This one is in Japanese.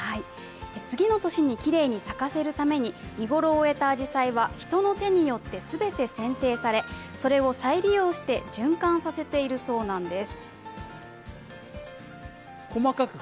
次の年にきれいな咲かせるために見ごろを終えたあじさいは、人の手によって全て剪定され、それを再利用して循環させているそうなんです。